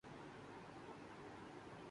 اگر آپ کے انجن میں ویٹ کی آواز ہے